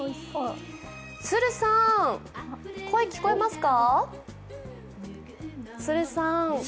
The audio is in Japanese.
都留さん、声、聞こえますか？